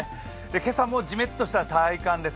今朝もじめっとした体感です。